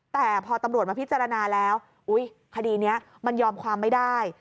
แต่พอตำรวจมาพิจารณาแล้วคดีนี้มันยอมความไม่ได้